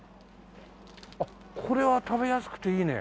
あっこれは食べやすくていいね。